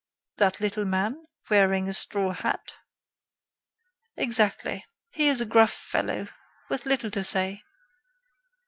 "That little man, wearing a straw hat?" "Exactly. He is a gruff fellow, with little to say."